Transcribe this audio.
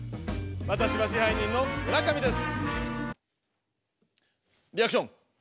私は支配人の村上です。